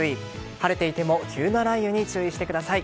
晴れていても急な雷雨に注意してください。